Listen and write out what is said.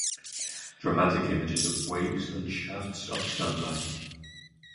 Dramatic images of waves, and shafts of sunlight.